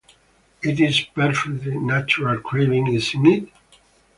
It's a perfectly natural craving, isn't it?